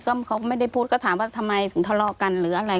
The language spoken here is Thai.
ก็เขาก็ไม่ได้พูดก็ถามว่าทำไมถึงทะเลาะกันหรืออะไร